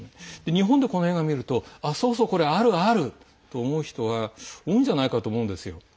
日本でこの映画を見るとそうそう、これ、あるあると思う人は多いんじゃないかと思うんですよ。